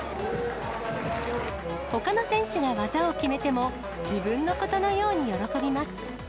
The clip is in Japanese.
ほかの選手が技を決めても、自分のことのように喜びます。